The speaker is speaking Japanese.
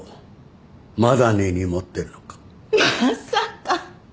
まさか。